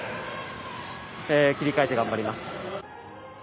切り替えて頑張ります。